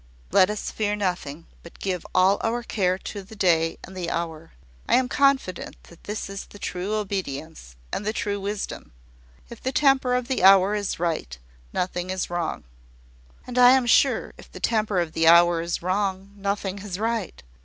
"Let us fear nothing, but give all our care to the day and the hour. I am confident that this is the true obedience, and the true wisdom. If the temper of the hour is right, nothing is wrong." "And I am sure, if the temper of the hour is wrong, nothing is right.